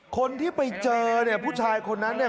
คนที่ไปเจอเนี่ยผู้ชายคนนั้นเนี่ย